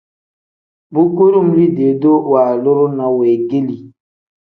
Bu kudum liidee-duu waaluru ne weegeeli.